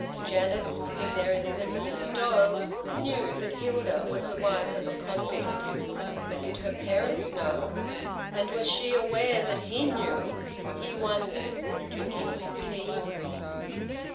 Janet, sitting there as innocent as a doe, knew that Hilda was the wife of a convict. But did her parents know? And was she aware that he knew? He wondered, drinking his tea.